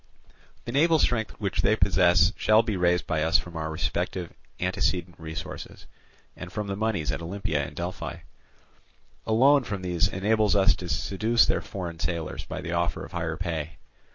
The naval strength which they possess shall be raised by us from our respective antecedent resources, and from the moneys at Olympia and Delphi. A loan from these enables us to seduce their foreign sailors by the offer of higher pay.